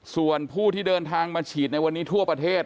ส่วนผู้ที่เดินทางมาฉีดในวันนี้ทั่วประเทศ